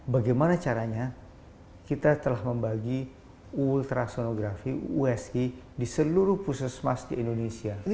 bagaimana caranya kita telah membagi ultrasonografi usg di seluruh puskesmas di indonesia